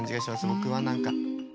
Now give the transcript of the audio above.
僕は何か。